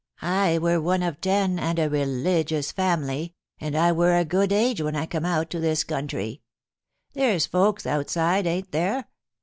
' I wur one of ten, and a religious family ; and I wur a good age when I come out to this countr)'. There^s folks outside, ain't there